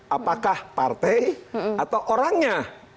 apakah partai atau orangnya